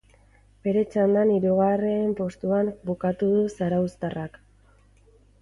Bere txandan hirugarren postuan bukatu du zarauztarrak.